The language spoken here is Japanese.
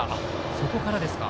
そこからですか。